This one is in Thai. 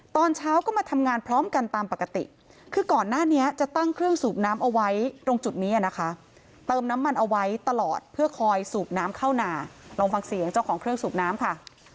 ตอนเช้าก็มาทำงานพร้อมกันตามปกติคือก่อนหน้านี้จะตั้งเครื่องสูบน้ำเอาไว้ตรงจุดนี้นะคะเติมน้ำมันเอาไว้ตลอดเพื่อคอยสูบน้ำเข้านาลองฟังเสียงเจ้าของเครื่องสูบน้ำค่ะ